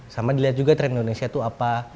sama dilihat juga trend indonesia itu apa